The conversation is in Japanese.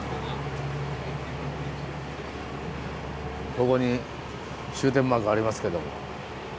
ここに終点マークありますけども。